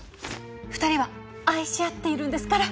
２人は愛し合っているんですから。